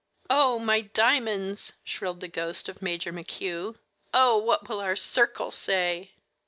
"Oh, my diamonds!" shrilled the ghost of Major McHugh. "Oh, what will our circle say!"